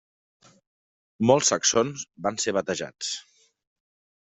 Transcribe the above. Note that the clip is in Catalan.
Molts saxons van ser batejats.